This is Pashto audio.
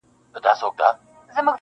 د یاجوجو د ماجوجو دېوالونه به نړېږي -